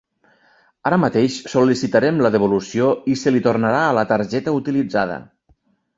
Ara mateix sol·licitarem la devolució i se li tornarà a la targeta utilitzada.